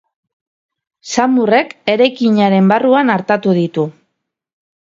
Samurrek eraikinaren barruan artatu ditu.